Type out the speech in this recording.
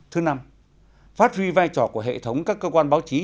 thứ năm phát huy vai trò của hệ thống các cơ quan báo chí